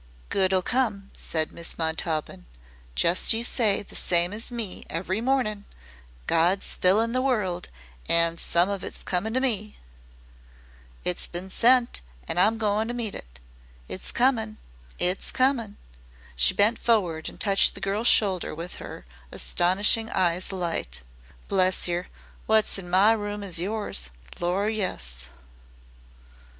"Good 'll come," said Miss Montaubyn. "Just you say the same as me every mornin' 'Good's fillin' the world, an' some of it's comin' to me. It's bein' sent an' I 'm goin' to meet it. It's comin' it's comin'.'" She bent forward and touched the girl's shoulder with her astonishing eyes alight. "Bless yer, wot's in my room's in yours; Lor', yes."